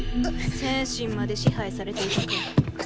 精神まで支配されているか。